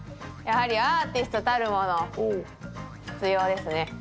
やはりアーティストたるもの必要ですね。